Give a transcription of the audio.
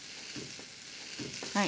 はい。